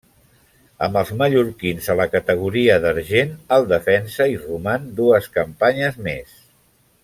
Amb els mallorquins a la categoria d'argent, el defensa hi roman dues campanyes més.